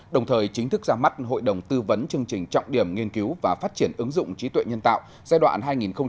đồng thời chính thức ra mắt hội đồng tư vấn chương trình trọng điểm nghiên cứu và phát triển ứng dụng trí tuệ nhân tạo giai đoạn hai nghìn hai mươi hai nghìn ba mươi